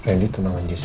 randy tunangan jessica